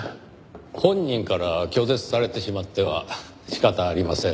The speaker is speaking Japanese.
本人から拒絶されてしまっては仕方ありませんねぇ。